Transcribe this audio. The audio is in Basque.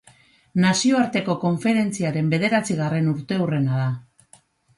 Nazioarteko konferentziaren bederatzigarren urteurrena da.